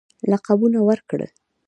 لقبونه ورکړل.